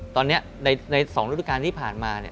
ตอนนี้ใน๒รถการณ์ที่ผ่านมาเนี่ย